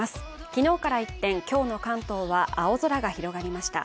昨日から一転、今日の関東は青空が広がりました。